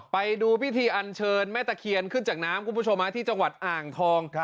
ไปดูพิธีอันเชิญแม่ตะเคียนขึ้นจากน้ำคุณผู้ชมที่จังหวัดอ่างทอง